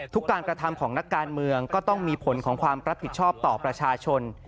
การกระทำของนักการเมืองก็ต้องมีผลของความรับผิดชอบต่อประชาชน